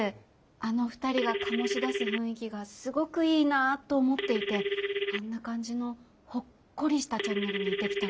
あの２人が醸し出す雰囲気がすごくいいなと思っていてあんな感じのほっこりしたチャンネルにできたらなぁって。